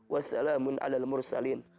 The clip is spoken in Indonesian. wassalamun ala mursalin